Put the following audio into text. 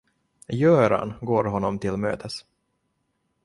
Göran går honom till mötes.